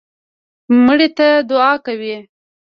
مړي ته دعا کوئ